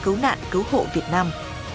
cứu nạn cứu hộ việt nam